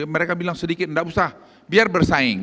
mereka bilang sedikit tidak usah biar bersaing